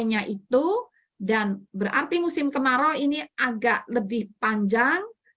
musimnya itu dan berarti musim kemarau ini agak lebih panjang